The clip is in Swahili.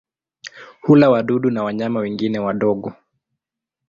Hula wadudu na wanyama wengine wadogo.